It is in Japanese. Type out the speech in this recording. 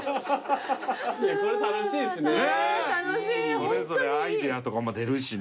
それぞれアイデアとかも出るしね。